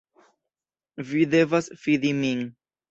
Vi devas fidi min.